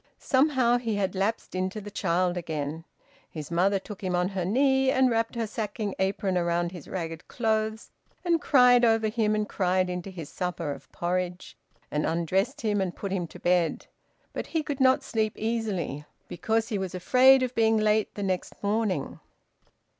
Somehow he had lapsed into the child again. His mother took him on her knee, and wrapped her sacking apron round his ragged clothes, and cried over him and cried into his supper of porridge, and undressed him and put him to bed. But he could not sleep easily because he was afraid of being late the next morning.